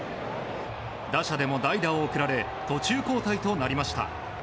打者でも代打を送られ途中交代となりました。